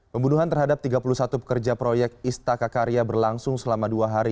pembunuhan terhadap tiga puluh satu pekerja proyek istaka karya berlangsung selama dua hari